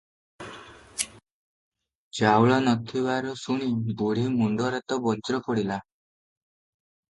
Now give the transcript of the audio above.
ଚାଉଳ ନ ଥିବାର ଶୁଣି ବୁଢ଼ୀ ମୁଣ୍ଡରେ ତ ବଜ୍ର ପଡ଼ିଲା ।